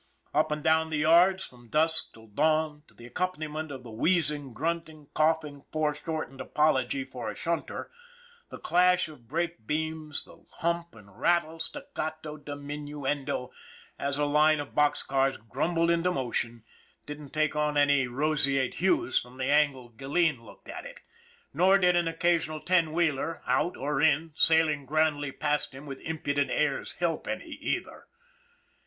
Up and down the yards from dusk till dawn, to the accompaniment of the wheezing, grunting, coughing, foreshortened apology for a shunter, the clash of brake beams, the THE BLOOD OF KINGS 197 bump and rattle, staccato, diminuendo, as a line of box cars grumbled into motion, didn't take on any ro seate hues from the angle Gilleen looked at it ; nor did an occasional ten wheeler, out or in, sailing grandly past him with impudent airs help any, either.